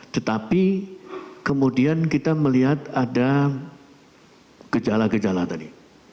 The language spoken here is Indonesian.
tetapi kemudian kita melihat ada gejala gejala tadi